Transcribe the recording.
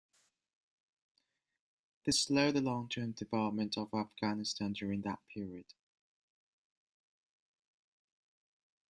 This slowed the long-term development of Afghanistan during that period.